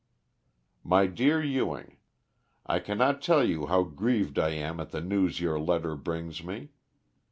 "'MY DEAR EWING: I can not tell you how grieved I am at the news your letter brings me.